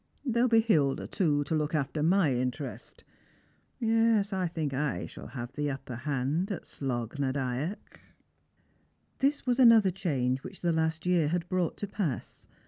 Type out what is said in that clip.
There'll be Hilda, too, to look after my interest. Yes, I think I shall have the upper hand at Slofh na Dyack." Strangers and Pilgrinis. 269 This was another change which the last year had brought to pass.